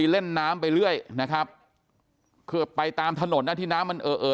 เล่นน้ำไปเรื่อยนะครับคือไปตามถนนนะที่น้ำมันเอ่อเอ่อ